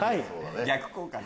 逆効果だ。